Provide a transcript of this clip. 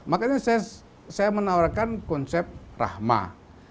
makanya saya menawarkan konsep rahmah